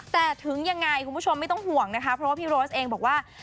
แต่ถึงยังไงคุณผู้ชมไม่ต้องห่วงนะคะเพราะว่าพี่โรสเองบอกว่า